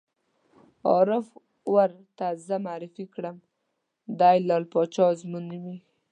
عارف ور ته زه معرفي کړم: دی لعل باچا ازمون نومېږي.